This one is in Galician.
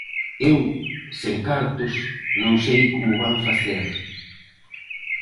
¡Eu, sen cartos, non sei como van facer!